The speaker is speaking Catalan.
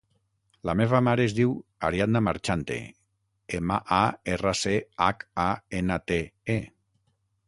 La meva mare es diu Ariadna Marchante: ema, a, erra, ce, hac, a, ena, te, e.